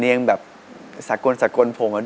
เพราะว่าเพราะว่าเพราะ